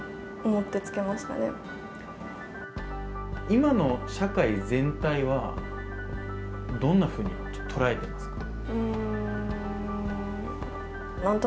今の社会全体は、どんなふうに捉えていますか？